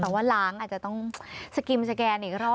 แต่ว่าล้างอาจจะต้องสกิมสแกนอีกรอบ